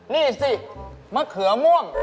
นี่สิมะเขือม่วง